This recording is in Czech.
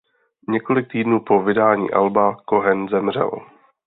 Několik týdnů po vydání alba Cohen zemřel.